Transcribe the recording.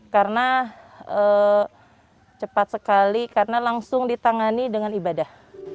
karena cepat sekali karena langsung ditangani dengan ibadah